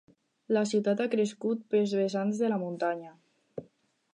La ciutat ha crescut pels vessants de la muntanya.